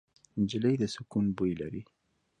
نجلۍ د سکون بوی لري.